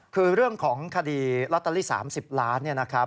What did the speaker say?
คือเรื่องของคดีลอตเตอรี่๓๐ล้าน